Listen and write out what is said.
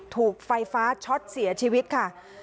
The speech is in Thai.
ถูกไฟฟ้าช็อตเสียชีวิตค่ะ